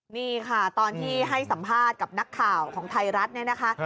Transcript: นี่ค่ะตอนที่ให้สัมภาษณ์กับนักข่าวของไทยรัฐเนี่ยนะคะ